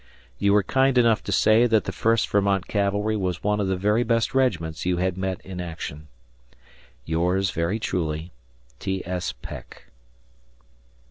... You were kind enough to say that the First Vermont Cavalry was one of the very best regiments you had met in action. ... Yours very truly, T. S. Peck.